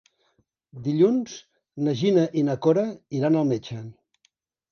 Dilluns na Gina i na Cora iran al metge.